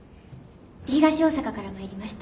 東大阪から参りました。